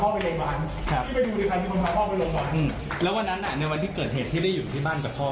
แล้ววันนั้นอ่ะในวันที่เกิดเหตุที่ได้อยู่ที่บ้านกับพ่อไหมครับ